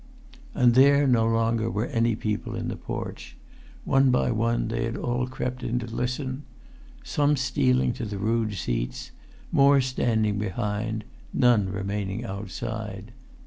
And there no longer were any people in the porch; one by one they had all crept in to listen, some stealing to the rude seats, more standing behind, none remaining outside.